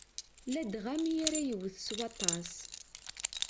Ladɣa mi ara yewwet s waṭas.